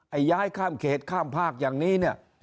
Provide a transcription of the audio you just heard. ย้ายข้ามเขตข้ามภาคอย่างนี้เนี่ย